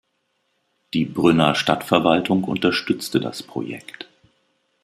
Die Brünner Stadtverwaltung unterstützte das Projekt.